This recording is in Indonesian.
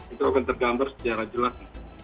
itu akan tergambar secara jelas